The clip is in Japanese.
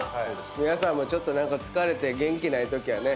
皆さんもちょっと何か疲れて元気ないときはね